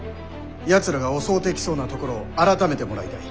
やつらが襲うてきそうな所を改めてもらいたい。